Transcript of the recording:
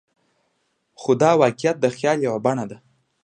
خو دا واقعیت د خیال یوه بڼه ده.